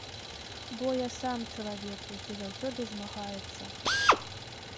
Бо я сам чалавек, які заўсёды змагаецца.